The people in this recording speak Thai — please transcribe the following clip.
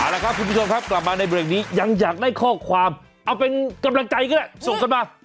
แล้วครับคุณผู้ชมครับกลับมาในเบรกนี้ยังอยากได้ข้อความเอาเป็นกำลังใจก็ได้ส่งกันมา